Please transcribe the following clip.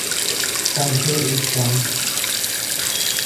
Peng cu a it cang.